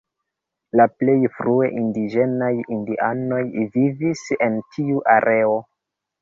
La plej frue indiĝenaj indianoj vivis en tiu areo.